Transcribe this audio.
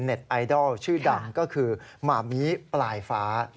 ไอดอลชื่อดังก็คือมามิปลายฟ้า